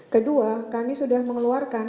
kedua kami sudah mengeluarkan